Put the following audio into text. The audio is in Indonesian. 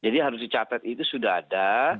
jadi harus dicatat itu sudah ada